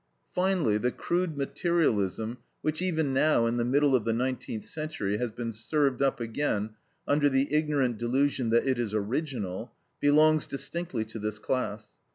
Finally, the crude materialism which even now in the middle of the nineteenth century has been served up again under the ignorant delusion that it is original, belongs distinctly to this class.